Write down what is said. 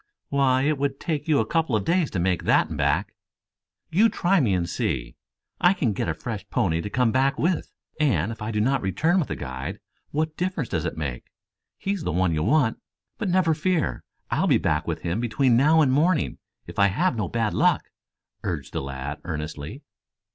"Why, it would take you couple of days to make that and back." "You try me and see. I can get a fresh pony to come back with, and if I do not return with the guide, what difference does it make? He's the one you want. But never fear, I'll be back with him between now and morning if I have no bad luck," urged the lad earnestly.